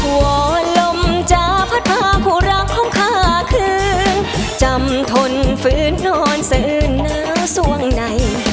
ว่าลมจะพัดพาครูรักของข้าคืนจำทนฝืนนอนเสือนในส่วงใน